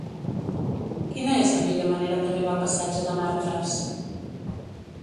Quina és la millor manera d'arribar al passatge de Martras?